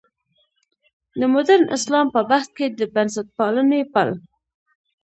د مډرن اسلام په بحث کې د بنسټپالنې پل.